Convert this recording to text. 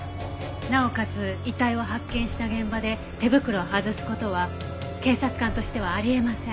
なおかつ遺体を発見した現場で手袋を外す事は警察官としてはあり得ません。